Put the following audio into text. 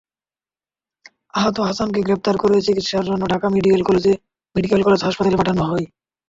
আহত হাসানকে গ্রেপ্তার করে চিকিৎসার জন্য ঢাকা মেডিকেল কলেজ হাসপাতালে পাঠানো হয়।